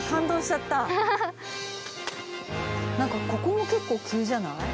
なんかここも結構急じゃない？